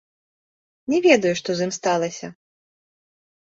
Не ведаю, што з ім сталася.